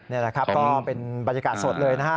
นี่แหละครับก็เป็นบรรยากาศสดเลยนะฮะ